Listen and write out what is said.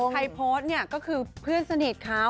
ส่วนใครโพสต์เนี่ยก็คือเพื่อนสนิทขาว